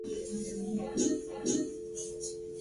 Se encuentra localizado al norte del estado.